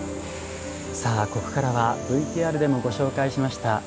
さあここからはＶＴＲでもご紹介しました